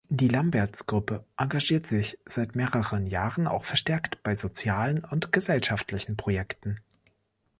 Die Lambertz-Gruppe engagiert sich seit mehreren Jahren auch verstärkt bei sozialen und gesellschaftlichen Projekten.